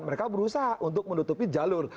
mereka berusaha untuk menutupi jalur